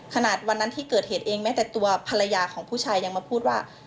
ขนาดวันนั้นที่เกิดเหตุเองแม้แต่ตัวภรรยาของผู้ชายยังมาพูดว่า